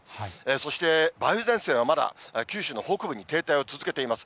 そして梅雨前線はまだ九州の北部に停滞を続けています。